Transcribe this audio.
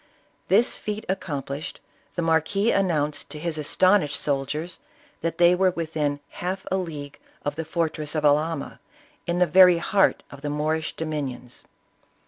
This feat accomplished, the marquis announced to his as tonished soldiers that they were within half a league of the fortress of Alhama, in the very heart of the Moorish dominions.